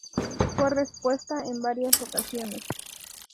Fue repuesta en varias ocasiones.